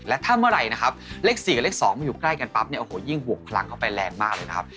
และถ้าเมื่อไหร่นะครับเลข๔กับเลข๒มันอยู่ใกล้กันปั๊บเนี่ยโอ้โหยิ่งบวกพลังเข้าไปแรงมากเลยนะครับ